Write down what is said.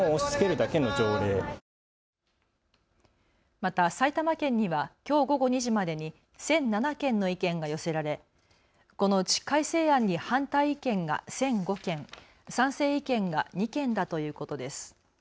また埼玉県にはきょう午後２時までに１００７件の意見が寄せられこのうち改正案に反対意見が１００５件、賛成意見が２件だということです。